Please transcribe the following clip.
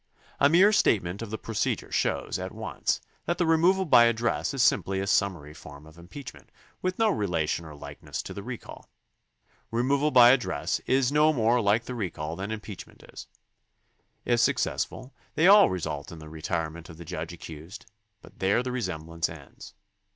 A mere statement of the procedure shows at once that the removal by address is simply a summary form of im peachment with no relation or likeness to the recall. Removal by address is no more like the recall than im peachment is. If successful, they all result in the re tirement of the judge accused, but there the resemblance ends.